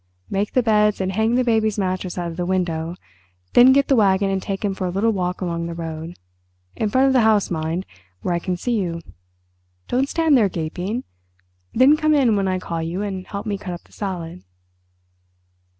"Make the beds and hang the baby's mattress out of the window, then get the wagon and take him for a little walk along the road. In front of the house, mind—where I can see you. Don't stand there, gaping! Then come in when I call you and help me cut up the salad."